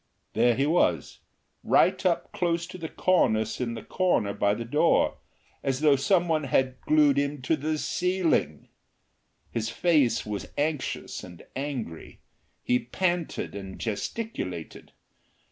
There he was right up close to the cornice in the corner by the door, as though some one had glued him to the ceiling. His face was anxious and angry. He panted and gesticulated.